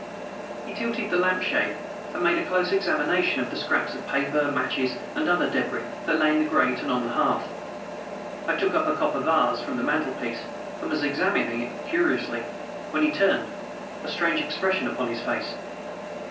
He tilted the lamp shade and made a close examination of the scraps of paper, matches, and other debris that lay in the grate and on the hearth. I took up a copper vase from the mantelpiece, and was examining it curiously, when he turned, a strange expression upon his face.